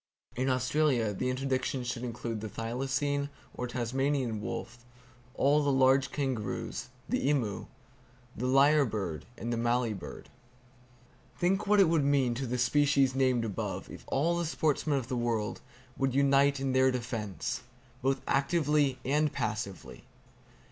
In Australia the interdiction should include the thylacine or Tasmanian wolf, all the large kangaroos, the emu, lyre bird and the mallee bird. Think what it would mean to the species named above if all the sportsmen of the world would unite in their defense, both actively and passively!